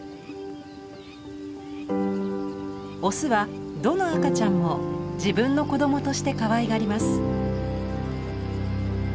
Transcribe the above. オスはどの赤ちゃんも自分の子供としてかわいがります。